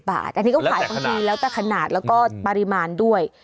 อันนี้ก็ขายบางทีแล้วแต่ขนาดแล้วก็ปริมาณด้วย